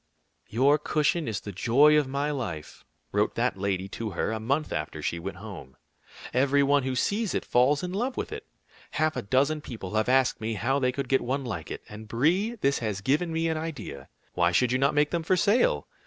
"Your cushion is the joy of my life," wrote that lady to her a month after she went home. "Every one who sees it, falls in love with it. Half a dozen people have asked me how they could get one like it. And, Brie, this has given me an idea. Why should you not make them for sale?